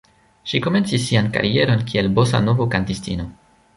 Ŝi komencis sian karieron kiel bosanovo-kantistino.